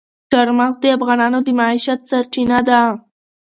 چار مغز د افغانانو د معیشت سرچینه ده.